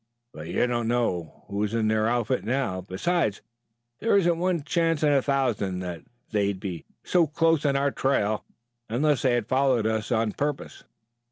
But you don't know who is in their outfit now. Besides, there isn't one chance in a thousand that they'd be so close on our trail unless they had followed us on purpose.